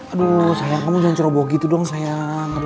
aduh sayang kamu jangan ceroboh gitu dong sayang